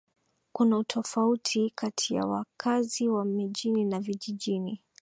Kuna utofauti kati ya wakazi wa mijini na vijijini